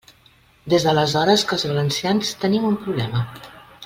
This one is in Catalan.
Des d'aleshores que els valencians tenim un problema.